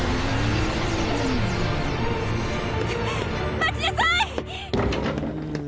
待ちなさい！